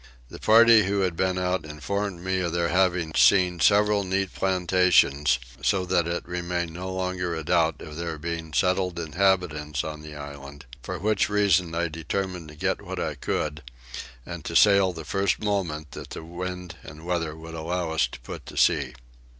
The party who had been out informed me of their having seen several neat plantations, so that it remained no longer a doubt of there being settled inhabitants on the island, for which reason I determined to get what I could, and to sail the first moment that the wind and weather would allow us to put to sea.